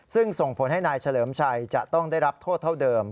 ซึ่งส่งผลให้นายเฉลิมชัยจะต้องได้รับโทษเท่าเดิม